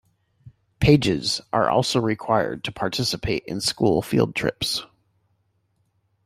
Pages are also required to participate in school field trips.